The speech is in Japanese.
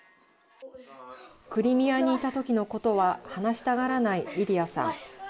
クリミアにいた時のことは話したがらないリリアさん。